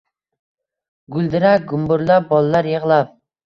Guldirak gumburlab, bolalar yig’lab